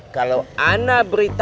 kalau anak beritahu